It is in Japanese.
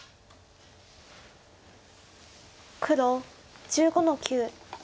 黒１５の九。